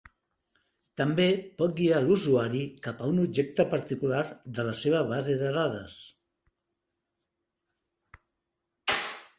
També pot guiar l'usuari cap a un objecte particular de la seva base de dades.